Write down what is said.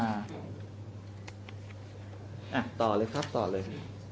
อ่ะต่อเลยครับต่อเลย